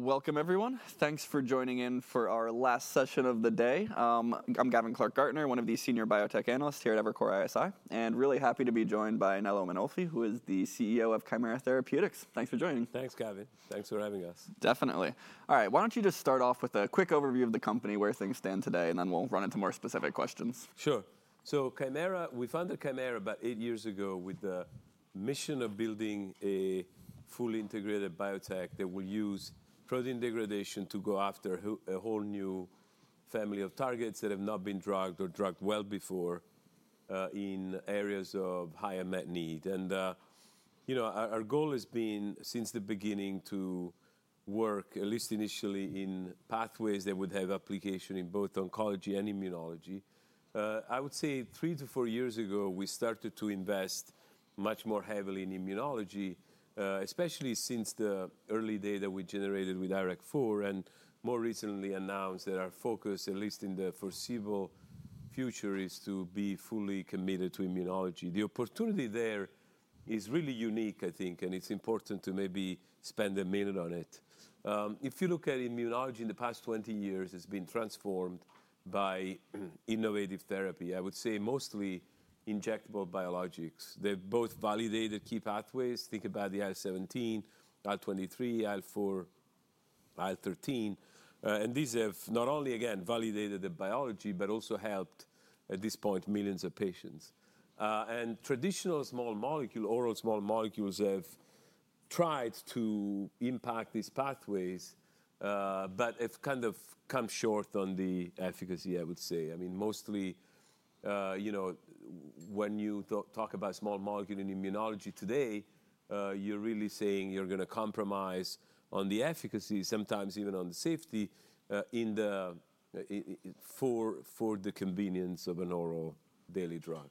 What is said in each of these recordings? Welcome, everyone. Thanks for joining in for our last session of the day. I'm Gavin Clark-Gartner, one of the senior biotech analysts here at Evercore ISI, and really happy to be joined by Nello Mainolfi, who is the CEO of Kymera Therapeutics. Thanks for joining. Thanks, Gavin. Thanks for having us. Definitely. All right, why don't you just start off with a quick overview of the company, where things stand today, and then we'll run into more specific questions. Sure, so Kymera, we founded Kymera about eight years ago with the mission of building a fully integrated biotech that will use protein degradation to go after a whole new family of targets that have not been drugged or drugged well before in areas of higher unmet need. And our goal has been, since the beginning, to work, at least initially, in pathways that would have application in both oncology and immunology. I would say three to four years ago, we started to invest much more heavily in immunology, especially since the early data we generated with IRAK4, and more recently announced that our focus, at least in the foreseeable future, is to be fully committed to immunology. The opportunity there is really unique, I think, and it's important to maybe spend a minute on it. If you look at immunology, in the past 20 years, it's been transformed by innovative therapy. I would say mostly injectable biologics. They've both validated key pathways. Think about the IL-17, IL-23, IL-4, IL-13, and these have not only, again, validated the biology, but also helped, at this point, millions of patients, and traditional small molecule, oral small molecules, have tried to impact these pathways, but have kind of come short on the efficacy, I would say. I mean, mostly, when you talk about small molecule in immunology today, you're really saying you're going to compromise on the efficacy, sometimes even on the safety, for the convenience of an oral daily drug.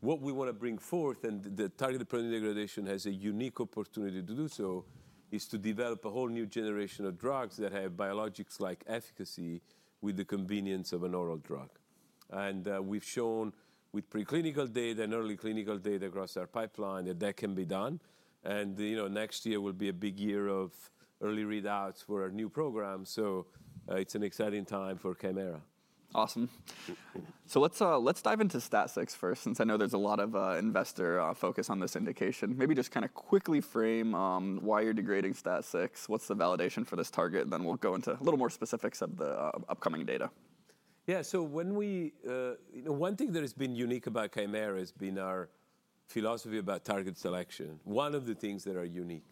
What we want to bring forth, and the targeted protein degradation has a unique opportunity to do so, is to develop a whole new generation of drugs that have biologics-like efficacy with the convenience of an oral drug. And we've shown with preclinical data and early clinical data across our pipeline that that can be done. And next year will be a big year of early readouts for our new program. So it's an exciting time for Kymera. Awesome. So let's dive into STAT6 first, since I know there's a lot of investor focus on this indication. Maybe just kind of quickly frame why you're degrading Stat6. What's the validation for this target? Then we'll go into a little more specifics of the upcoming data. Yeah, so one thing that has been unique about Kymera has been our philosophy about target selection, one of the things that are unique.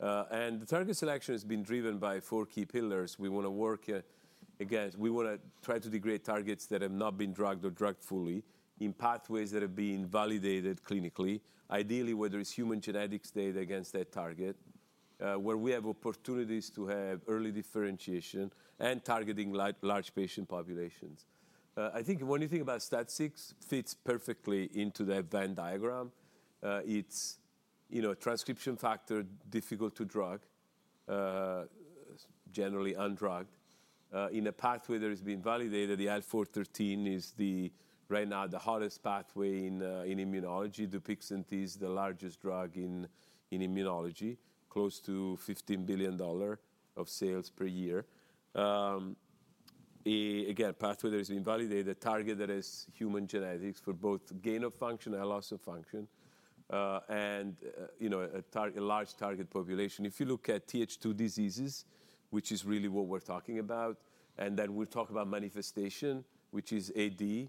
The target selection has been driven by four key pillars. We want to try to degrade targets that have not been drugged or drugged fully in pathways that have been validated clinically, ideally where there is human genetics data against that target, where we have opportunities to have early differentiation and targeting large patient populations. I think when you think about STAT6, it fits perfectly into that Venn diagram. It's a transcription factor, difficult to drug, generally undrugged. In a pathway that has been validated, the IL-4/13 is right now the hottest pathway in immunology. Dupixent is the largest drug in immunology, close to $15 billion of sales per year. Again, a pathway that has been validated, a target that has human genetics for both gain of function and loss of function, and a large target population. If you look at Th2 diseases, which is really what we're talking about, and then we'll talk about manifestation, which is AD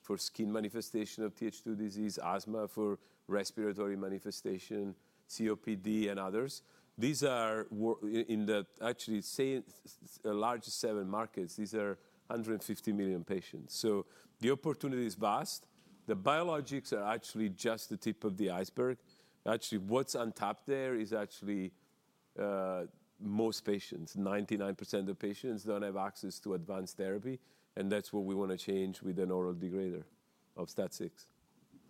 for skin manifestation of Th2 disease, asthma for respiratory manifestation, COPD, and others. These are in the, actually, the largest seven markets. These are 150 million patients. So the opportunity is vast. The biologics are actually just the tip of the iceberg. Actually, what's on top there is actually most patients. 99% of patients don't have access to advanced therapy, and that's what we want to change with an oral degrader of STAT6.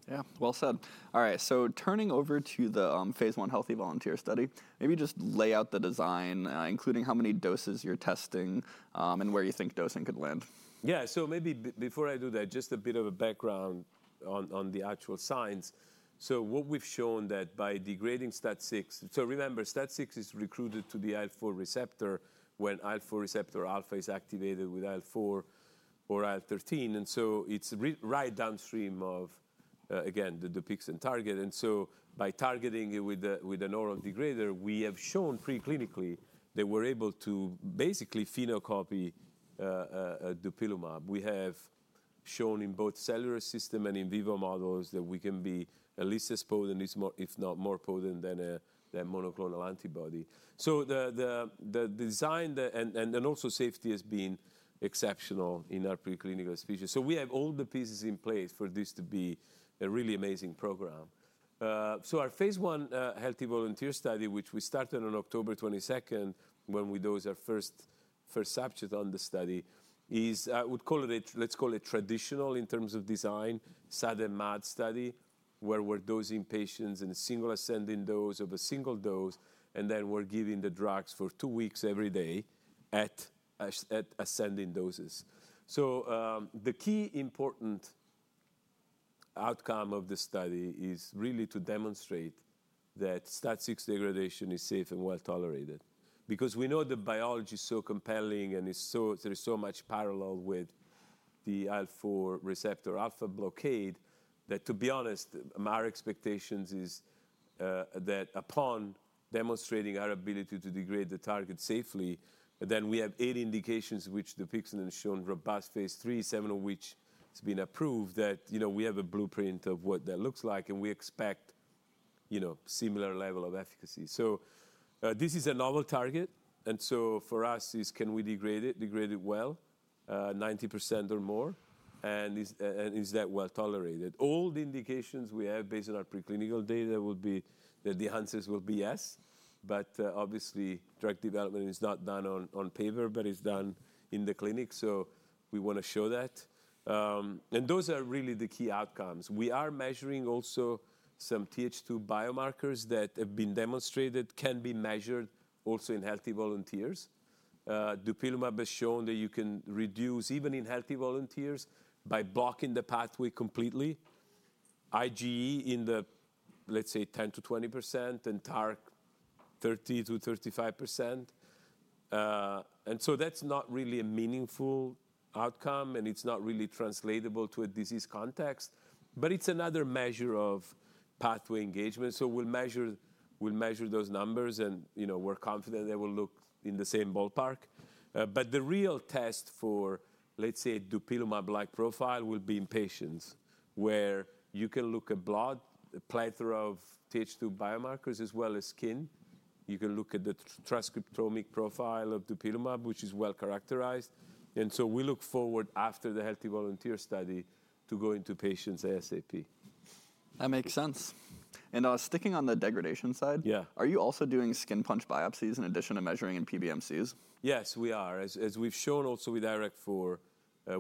Yeah, well said. All right, so turning over to the phase I healthy volunteer study. Maybe just lay out the design, including how many doses you're testing and where you think dosing could land. Yeah, so maybe before I do that, just a bit of a background on the actual science. So what we've shown that by degrading STAT6 so remember, STAT6 is recruited to the IL-4 receptor when IL-4 receptor alpha is activated with IL-4 or IL-13. And so it's right downstream of, again, the Dupixent target. And so by targeting it with an oral degrader, we have shown preclinically that we're able to basically phenocopy the Dupilumab. We have shown in both cellular system and in vivo models that we can be at least as potent, if not more potent, than a monoclonal antibody. So the design and also safety has been exceptional in our preclinical species. So we have all the pieces in place for this to be a really amazing program. So our phase I healthy volunteer study, which we started on October 22, when we dosed our first subject on the study, is, I would call it, let's call it traditional in terms of design, SAD and MAD study, where we're dosing patients in a single ascending dose of a single dose, and then we're giving the drugs for two weeks every day at ascending doses. So the key important outcome of the study is really to demonstrate that STAT6 degradation is safe and well tolerated. Because we know the biology is so compelling, and there is so much parallel with the IL-4 receptor alpha blockade, that to be honest, our expectation is that upon demonstrating our ability to degrade the target safely, then we have eight indications which Dupixent has shown robust phase III, seven of which have been approved, that we have a blueprint of what that looks like, and we expect a similar level of efficacy. So this is a novel target. And so for us, is can we degrade it, degrade it well, 90% or more, and is that well tolerated? All the indications we have based on our preclinical data will be that the answers will be yes. But obviously, drug development is not done on paper, but it's done in the clinic. So we want to show that. And those are really the key outcomes. We are measuring also some Th2 biomarkers that have been demonstrated can be measured also in healthy volunteers. Dupilumab has shown that you can reduce, even in healthy volunteers, by blocking the pathway completely. IgE in the, let's say, 10% to 20%, and TARC 30% to 35%, and so that's not really a meaningful outcome, and it's not really translatable to a disease context, but it's another measure of pathway engagement, so we'll measure those numbers, and we're confident they will look in the same ballpark, but the real test for, let's say, Dupilumab-like profile will be in patients, where you can look at blood, a plethora of Th2 biomarkers, as well as skin. You can look at the transcriptomic profile of Dupilumab, which is well characterized, and so we look forward, after the healthy volunteer study, to going to patients ASAP. That makes sense. And sticking on the degradation side, are you also doing skin punch biopsies in addition to measuring in PBMCs? Yes, we are. As we've shown also with IRAK4,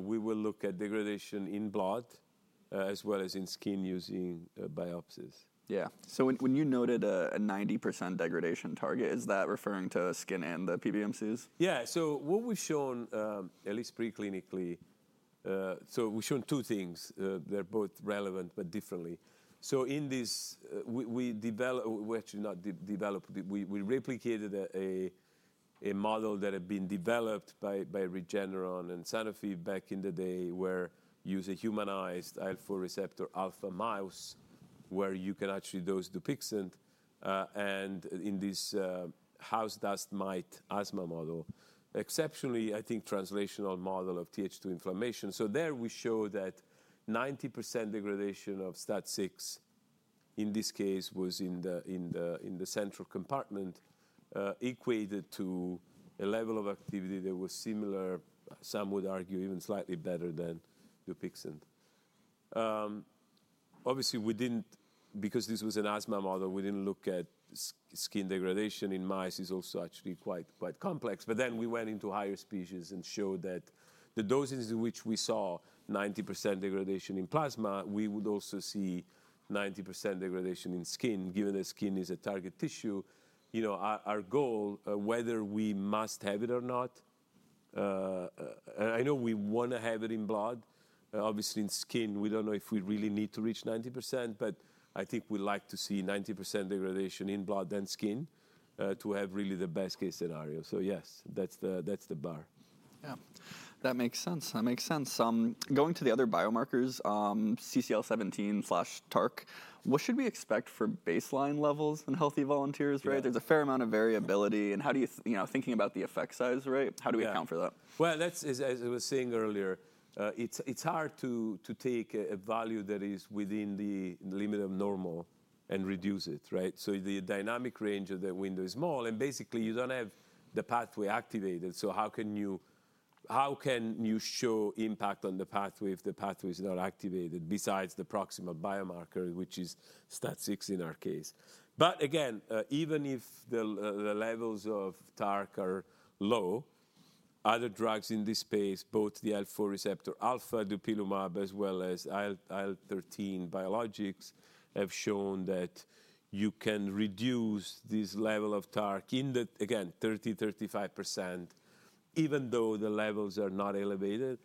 we will look at degradation in blood as well as in skin using biopsies. Yeah. So when you noted a 90% degradation target, is that referring to skin and the PBMCs? Yeah. So what we've shown, at least preclinically, so we've shown two things that are both relevant, but differently. So in this, we actually not developed. We replicated a model that had been developed by Regeneron and Sanofi back in the day, where you use a humanized IL-4 receptor alpha mouse, where you can actually dose Dupixent. And in this house dust mite asthma model, exceptionally, I think, translational model of TH2 inflammation. So there we show that 90% degradation of STAT6, in this case, was in the central compartment, equated to a level of activity that was similar, some would argue even slightly better than Dupixent. Obviously, we didn't because this was an asthma model, we didn't look at skin degradation in mice. It's also actually quite complex. But then we went into higher species and showed that the doses in which we saw 90% degradation in plasma, we would also see 90% degradation in skin, given that skin is a target tissue. Our goal, whether we must have it or not, I know we want to have it in blood. Obviously, in skin, we don't know if we really need to reach 90%. But I think we'd like to see 90% degradation in blood than skin to have really the best-case scenario. So yes, that's the bar. Yeah, that makes sense. That makes sense. Going to the other biomarkers, CCL17/TARC, what should we expect for baseline levels in healthy volunteers? There's a fair amount of variability. And how do you think about the effect size, right? How do we account for that? As I was saying earlier, it's hard to take a value that is within the limit of normal and reduce it, right? So the dynamic range of that window is small. And basically, you don't have the pathway activated. So how can you show impact on the pathway if the pathway is not activated besides the proximal biomarker, which is STAT6 in our case? But again, even if the levels of TARC are low, other drugs in this space, both the IL-4 receptor alpha, Dupilumab, as well as IL-13 biologics, have shown that you can reduce this level of TARC in the, again, 30%, 35%, even though the levels are not elevated.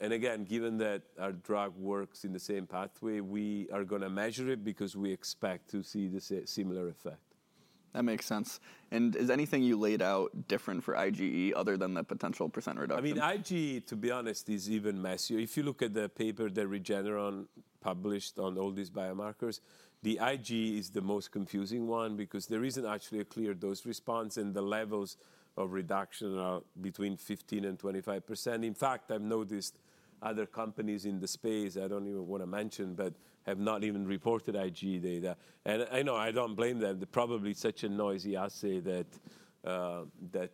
And again, given that our drug works in the same pathway, we are going to measure it because we expect to see the similar effect. That makes sense. And is anything you laid out different for IgE other than the potential percent reduction? I mean, IgE, to be honest, is even messier. If you look at the paper that Regeneron published on all these biomarkers, the IgE is the most confusing one because there isn't actually a clear dose response, and the levels of reduction are between 15% and 25%. In fact, I've noticed other companies in the space I don't even want to mention, but have not even reported IgE data. And I know I don't blame them. They're probably such a noisy assay that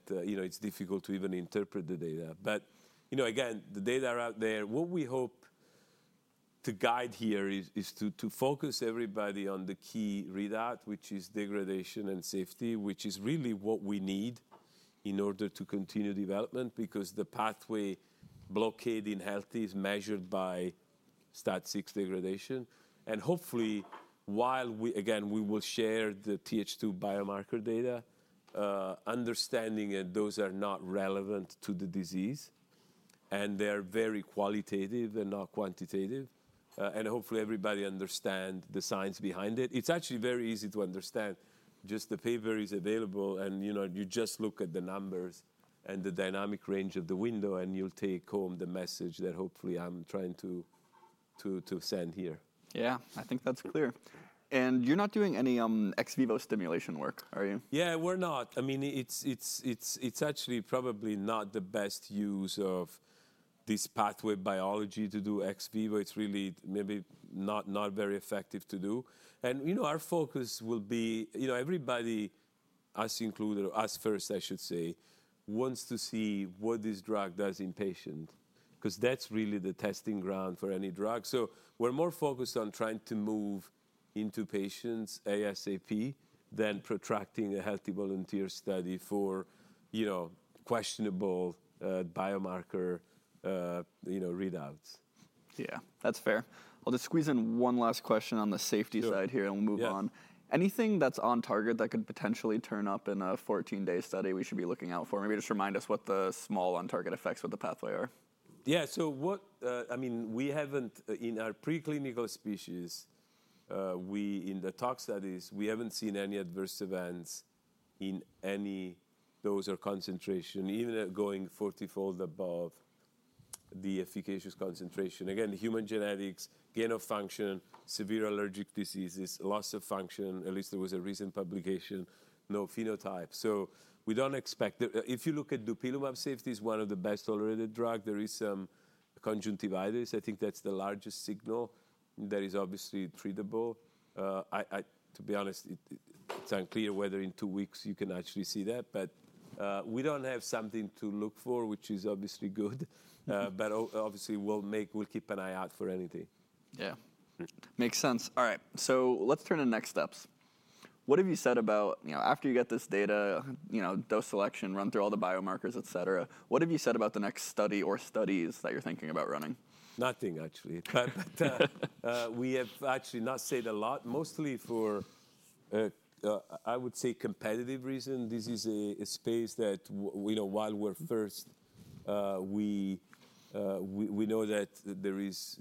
it's difficult to even interpret the data. But again, the data are out there. What we hope to guide here is to focus everybody on the key readout, which is degradation and safety, which is really what we need in order to continue development because the pathway blockade in healthy is measured by STAT6 degradation. Hopefully, while we, again, we will share the Th2 biomarker data, understanding that those are not relevant to the disease, and they're very qualitative and not quantitative. Hopefully, everybody understands the science behind it. It's actually very easy to understand. Just the paper is available, and you just look at the numbers and the dynamic range of the window, and you'll take home the message that hopefully I'm trying to send here. Yeah, I think that's clear. And you're not doing any ex vivo stimulation work, are you? Yeah, we're not. I mean, it's actually probably not the best use of this pathway biology to do ex vivo. It's really maybe not very effective to do. And our focus will be everybody, us included, us first, I should say, wants to see what this drug does in patients. Because that's really the testing ground for any drug. So we're more focused on trying to move into patients ASAP than protracting a healthy volunteer study for questionable biomarker readouts. Yeah, that's fair. I'll just squeeze in one last question on the safety side here, and we'll move on. Anything that's on target that could potentially turn up in a 14-day study we should be looking out for? Maybe just remind us what the small on-target effects with the pathway are. Yeah, so what I mean, we haven't in our preclinical species, in the TARC studies, we haven't seen any adverse events in any dose or concentration, even going 4x above the efficacious concentration. Again, human genetics, gain of function, severe allergic diseases, loss of function. At least there was a recent publication, no phenotype. So we don't expect if you look at Dupilumab, safety is one of the best tolerated drugs. There is some conjunctivitis. I think that's the largest signal that is obviously treatable. To be honest, it's unclear whether in two weeks you can actually see that. But we don't have something to look for, which is obviously good. But obviously, we'll keep an eye out for anything. Yeah, makes sense. All right, so let's turn to next steps. What have you said about after you get this data, dose selection, run through all the biomarkers, et cetera, what have you said about the next study or studies that you're thinking about running? Nothing, actually. But we have actually not said a lot, mostly for, I would say, competitive reason. This is a space that while we're first, we know that there is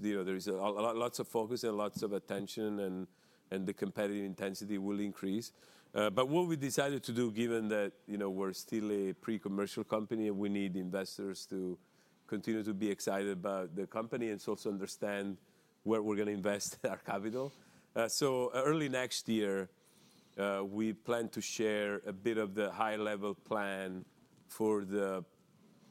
lots of focus and lots of attention, and the competitive intensity will increase. But what we decided to do, given that we're still a pre-commercial company, we need investors to continue to be excited about the company and also understand where we're going to invest our capital. So early next year, we plan to share a bit of the high-level plan for the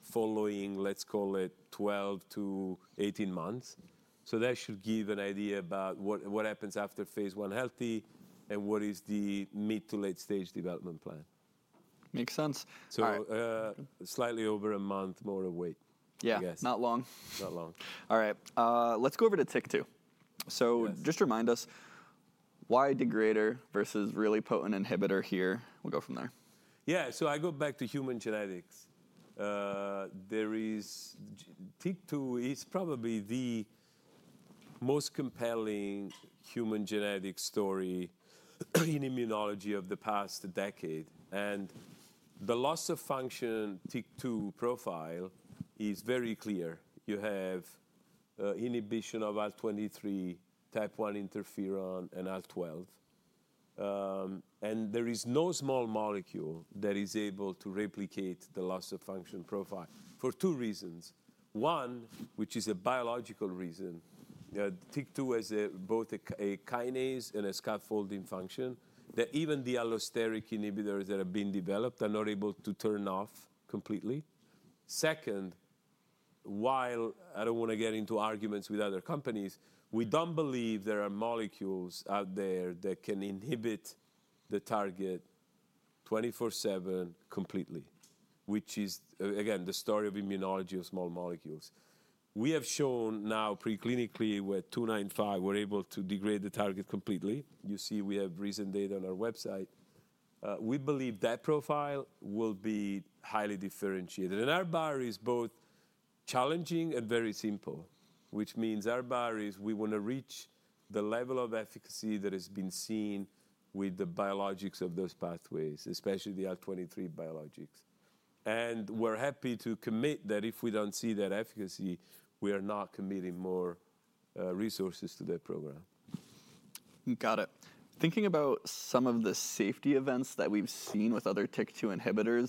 following, let's call it, 12 to 18 months. So that should give an idea about what happens after phase I Healthy and what is the mid to late-stage development plan. Makes sense. So slightly over a month more of wait. Yeah, not long. Not long. All right, let's go over to TYK2. So just remind us, why degrader versus really potent inhibitor here? We'll go from there. Yeah, so I go back to human genetics. There is TYK2 is probably the most compelling human genetic story in immunology of the past decade. And the loss of function TYK2 profile is very clear. You have inhibition of IL-23, type 1 interferon, and IL-12. And there is no small molecule that is able to replicate the loss of function profile for two reasons. One, which is a biological reason. TYK2 has both a kinase and a scaffolding function that even the allosteric inhibitors that have been developed are not able to turn off completely. Second, while I don't want to get into arguments with other companies, we don't believe there are molecules out there that can inhibit the target 24/7 completely, which is, again, the story of immunology of small molecules. We have shown now preclinically with 295, we're able to degrade the target completely. You see, we have recent data on our website. We believe that profile will be highly differentiated. And our bar is both challenging and very simple, which means our bar is we want to reach the level of efficacy that has been seen with the biologics of those pathways, especially the IL-23 biologics. And we're happy to commit that if we don't see that efficacy, we are not committing more resources to that program. Got it. Thinking about some of the safety events that we've seen with other TYK2 inhibitors,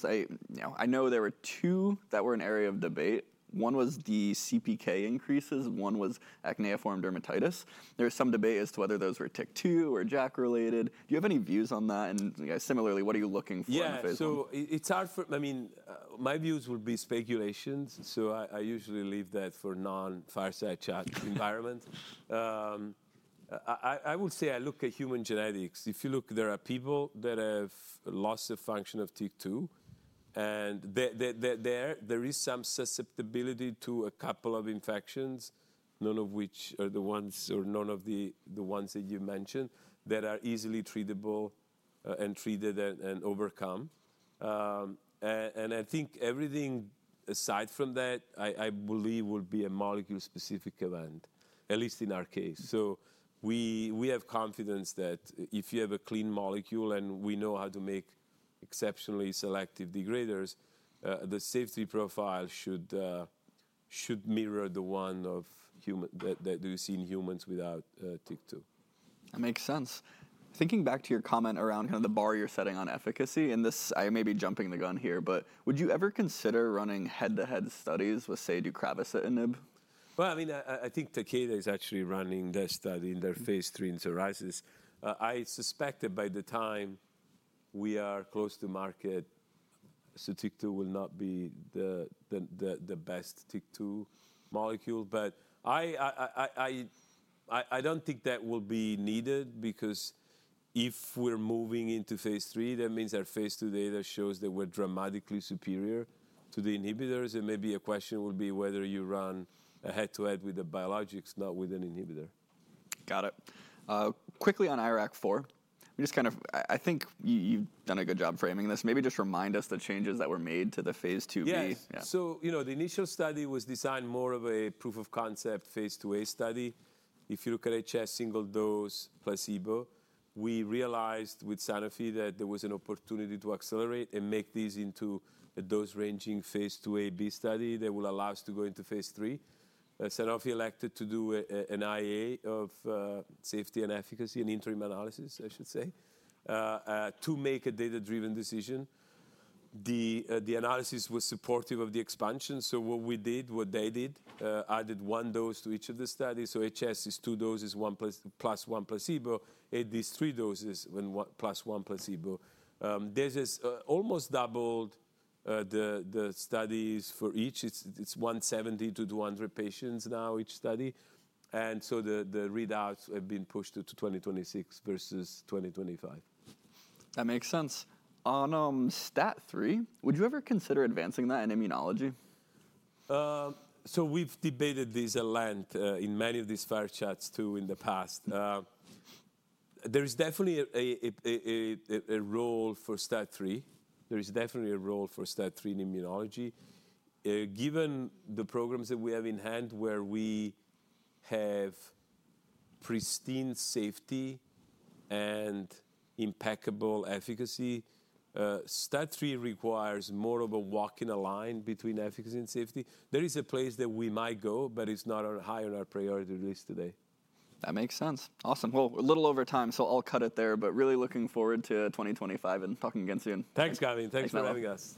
I know there were two that were an area of debate. One was the CPK increases. One was acneiform dermatitis. There was some debate as to whether those were TYK2 or JAK-related. Do you have any views on that? And similarly, what are you looking for in phase 1? Yeah, so it's hard, I mean, my views will be speculations. So I usually leave that for non-FDA chat environment. I would say I look at human genetics. If you look, there are people that have loss of function of TYK2. And there is some susceptibility to a couple of infections, none of which are the ones or none of the ones that you mentioned that are easily treatable and treated and overcome. And I think everything aside from that, I believe, will be a molecule-specific event, at least in our case. So we have confidence that if you have a clean molecule and we know how to make exceptionally selective degraders, the safety profile should mirror the one that you see in humans without TYK2. That makes sense. Thinking back to your comment around kind of the bar you're setting on efficacy in this, I may be jumping the gun here, but would you ever consider running head-to-head studies with, say, deucravacitinib? I mean, I think Takeda is actually running their study in their phase III in psoriasis. I suspect that by the time we are close to market, so TYK2 will not be the best TYK2 molecule. But I don't think that will be needed because if we're moving into phase III, that means our phase II data shows that we're dramatically superior to the inhibitors. And maybe a question will be whether you run a head-to-head with the biologics, not with an inhibitor. Got it. Quickly on IRAK4, we just kind of I think you've done a good job framing this. Maybe just remind us the changes that were made to the phase 2b. Yeah, so the initial study was designed more of a proof of concept phase II-A study. If you look at HS single-dose placebo, we realized with Sanofi that there was an opportunity to accelerate and make these into a dose-ranging phase II-A/B study that will allow us to go into phase III. Sanofi elected to do an IA of safety and efficacy, an interim analysis, I should say, to make a data-driven decision. The analysis was supportive of the expansion. What we did, what they did, added one dose to each of the studies. HS is two doses, plus one placebo. It is three doses plus one placebo. This has almost doubled the studies for each. It's 170-200 patients now, each study. The readouts have been pushed to 2026 versus 2025. That makes sense. On STAT3, would you ever consider advancing that in immunology? We've debated this a lot in many of these FAIR chats too in the past. There is definitely a role for STAT3. There is definitely a role for STAT3 in immunology. Given the programs that we have in hand, where we have pristine safety and impeccable efficacy, STAT3 requires more of a walking a line between efficacy and safety. There is a place that we might go, but it's not high on our priority list today. That makes sense. Awesome. Well, a little over time, so I'll cut it there, but really looking forward to 2025 and talking again soon. Thanks, Gavin. Thanks for having us.